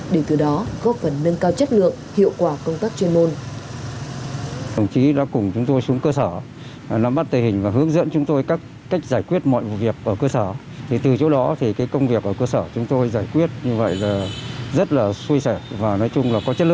để từ đó góp phần nâng cao chất lượng hiệu quả công tác chuyên môn